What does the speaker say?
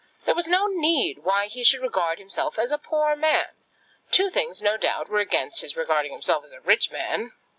There was no need why he should regard himself as a poor man. Two things, no doubt, were against his regarding himself as a rich man.